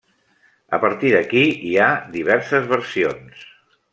A partir d'aquí hi ha diverses versions.